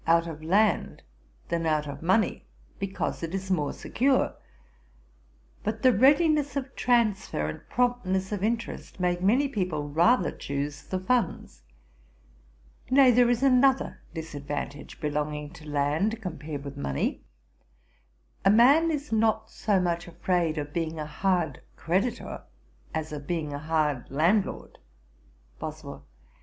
out of land than out of money, because it is more secure; but the readiness of transfer, and promptness of interest, make many people rather choose the funds. Nay, there is another disadvantage belonging to land, compared with money. A man is not so much afraid of being a hard creditor, as of being a hard landlord.' BOSWELL.